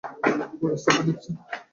ওই রাস্তাটা দেখছেন?